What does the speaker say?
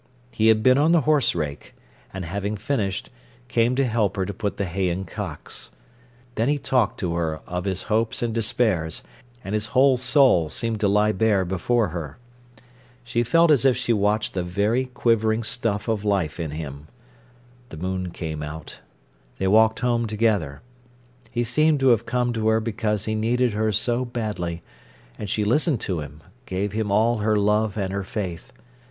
He had been on the horse rake, and having finished, came to help her to put the hay in cocks. Then he talked to her of his hopes and despairs, and his whole soul seemed to lie bare before her. She felt as if she watched the very quivering stuff of life in him. The moon came out: they walked home together: he seemed to have come to her because he needed her so badly, and she listened to him, gave him all her love and her faith.